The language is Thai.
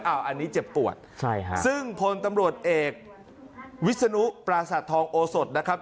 อ้าวอันนี้เจ็บปวดซึ่งพลตำรวจเอกวิศนุปราสัตว์ทองโอสดนะครับ